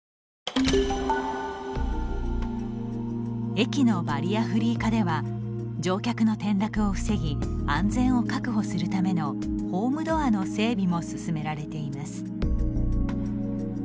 駅のバリアフリー化では乗客の転落を防ぎ安全を確保するためのホームドアの整備も進められています。